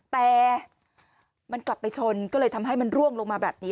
แต่มันกลับไปชนก็เลยทำให้มันร่วงลงมาแบบนี้